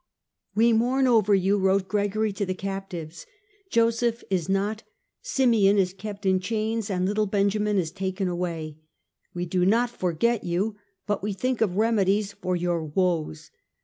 We mourn over you," wrote Gregory to the captives :" Joseph is not, Simeon is kept in chains and little Ben jamin is taken away ; we do not forget you, but we think of remedies for your woes."